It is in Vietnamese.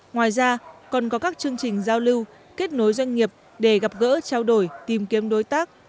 ngoài ra còn có các chương trình giao lưu kết nối doanh nghiệp để gặp gỡ trao đổi tìm kiếm đối tác